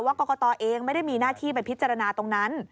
กรกตเองไม่ได้มีหน้าที่ไปพิจารณาตรงนั้น